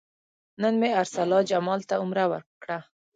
نن مې ارسلا جمال ته عمره وکړه.